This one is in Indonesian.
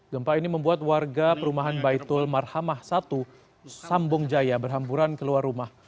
gempa ini membuat warga perumahan baitul marhamah satu sambung jaya berhamburan keluar rumah